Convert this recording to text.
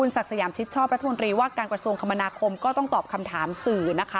สักษะยามคิชชอพปะทธวรีว่ากันกระทรวงคมณาคมก็ต้องตอบคำถามสื่อ